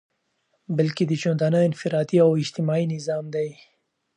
بلكي دژوندانه انفرادي او اجتماعي نظام دى